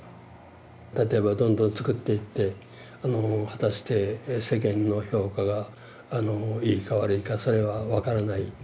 例えばどんどん作っていって果たして世間の評価がいいか悪いかそれは分からない